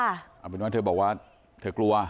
เอาเป็นว่าเธอบอกว่าเธอกลัว